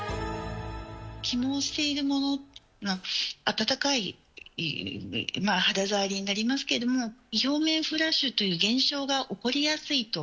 起毛しているものは、暖かい肌触りになりますけど、表面フラッシュという現象が起こりやすいと。